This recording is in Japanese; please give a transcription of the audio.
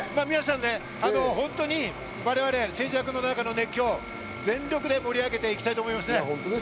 われわれ静寂の中の熱狂、全力で盛り上げていきたいと思います。